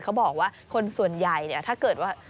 เขาบอกว่าคนส่วนใหญ่เนี่ยถ้าเกิดว่า